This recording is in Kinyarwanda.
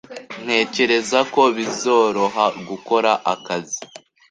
Ntekereza ko bizoroha gukora akazi.